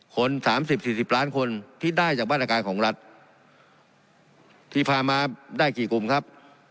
คน๓๐๔๐ล้านคนที่ได้จากบ้านอาการของรัฐที่พามาได้กี่กลุ่มครับ